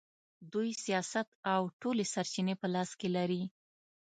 دوی سیاست او ټولې سرچینې په لاس کې لري.